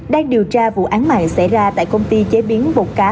đang điều tra vụ án mạng xảy ra tại công ty chế biến bột cá